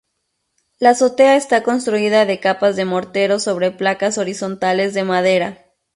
La azotea está construida de capas de mortero sobre placas horizontales de madera.